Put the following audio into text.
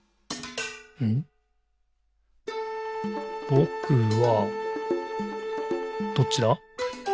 「ぼくは、」どっちだ？